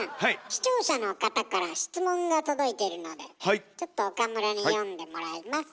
視聴者の方から質問が届いてるのでちょっと岡村に読んでもらいます。